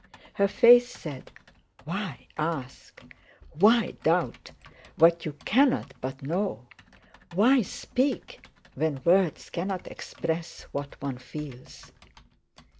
Her face said: "Why ask? Why doubt what you cannot but know? Why speak, when words cannot express what one feels?"